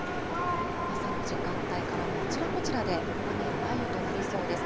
朝の時間帯から、あちらこちらで雨や雷雨となりそうです。